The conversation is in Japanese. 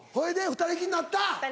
２人きりになった。